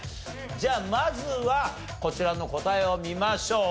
じゃあまずはこちらの答えを見ましょう。